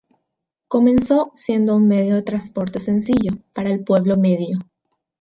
Comenzó siendo un medio de transporte sencillo, para el pueblo medio.